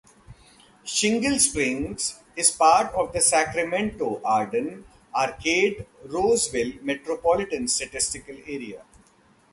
Shingle Springs is part of the Sacramento-Arden-Arcade-Roseville Metropolitan Statistical Area.